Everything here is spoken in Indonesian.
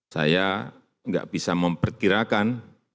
saya enggak bisa memperkirakan